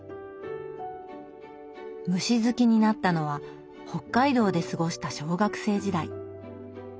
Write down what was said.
虫好きになったのは北海道で過ごした小学生時代。